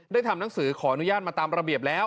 ทำหนังสือขออนุญาตมาตามระเบียบแล้ว